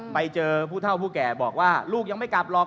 ไปเจอผู้เท่าผู้แก่บอกว่าลูกยังไม่กลับหรอก